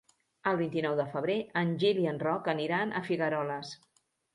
El vint-i-nou de febrer en Gil i en Roc aniran a Figueroles.